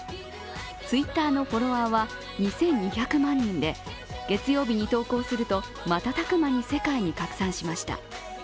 Ｔｗｉｔｔｅｒのフォロワーは２２００万人で月曜日に投稿すると瞬く間に世界に拡散しました。